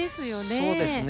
そうですね。